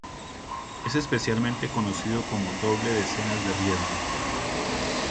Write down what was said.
Es especialmente conocido como doble de escenas de riesgo.